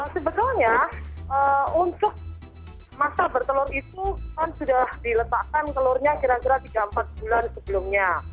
sebetulnya untuk masa bertelur itu kan sudah diletakkan telurnya kira kira tiga empat bulan sebelumnya